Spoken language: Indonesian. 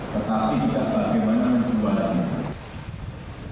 tetapi juga bagaimana menjualnya